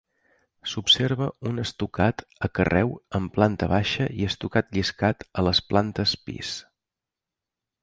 S'observa un estucat a carreu en planta baixa i estucat lliscat a les plantes pis.